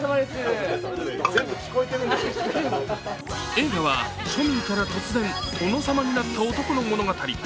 映画は庶民から突然、殿様になった男の物語。